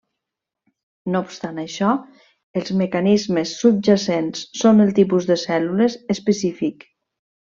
No obstant això, els mecanismes subjacents són el tipus de cèl·lules específic.